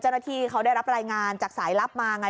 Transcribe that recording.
เจ้านาธิเขาได้รับรายงานจากสายลับมา